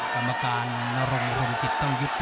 กรรมการนรนธรรมจิตต้องยุติ